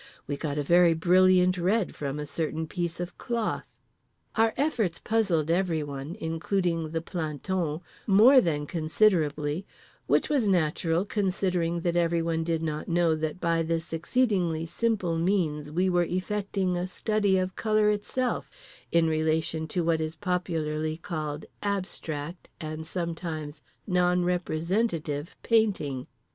(We got a very brilliant red from a certain piece of cloth.) Our efforts puzzled everyone (including the plantons) more than considerably; which was natural, considering that everyone did not know that by this exceedingly simple means we were effecting a study of colour itself, in relation to what is popularly called "abstract" and sometimes "non representative" painting.